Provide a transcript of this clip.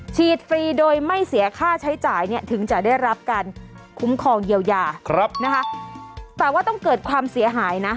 ฟรีโดยไม่เสียค่าใช้จ่ายเนี่ยถึงจะได้รับการคุ้มครองเยียวยานะคะแต่ว่าต้องเกิดความเสียหายนะ